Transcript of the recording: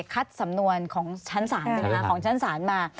คัดสำนวนของชั้นศาลใช่ไหมคะของชั้นศาลมา